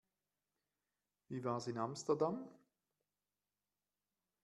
Wie war's in Amsterdam?